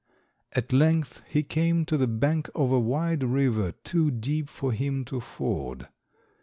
At length he came to the bank of a wide river too deep for him to ford.